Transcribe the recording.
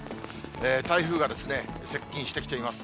台風が接近してきています。